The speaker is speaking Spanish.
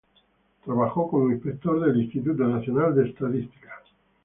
Trabajó como Inspector del Instituto Nacional de Estadística.